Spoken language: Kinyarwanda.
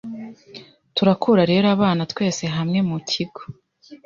Turakura rero abana twese hamwe mukigo